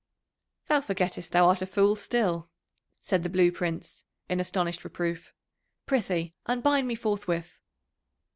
"Thou forgettest thou art a fool still," said the Blue Prince in astonished reproof. "Prithee, unbind me forthwith."